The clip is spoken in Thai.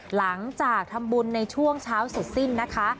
หลังจากทำบุญในช่วงเช้าเสร็จสิ้นนะคะ